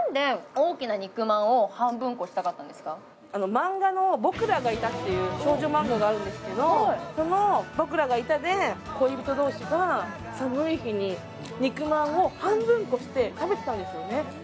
漫画の「僕等がいた」という少女漫画があるんですけどその「僕等がいた」で恋人同士が寒い日に肉まんを半分こして食べてたんですよね。